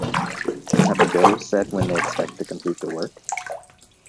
Have the builders said when they expect to complete the work?